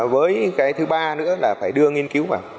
với cái thứ ba nữa là phải đưa nghiên cứu vào